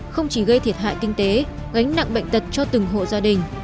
không chỉ gây thiệt hại kinh tế gánh nặng bệnh tật cho từng hộ gia đình